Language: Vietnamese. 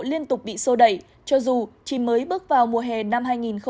liên tục bị sô đẩy cho dù chỉ mới bước vào mùa hè năm hai nghìn hai mươi